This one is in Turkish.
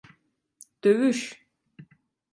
Dövüş!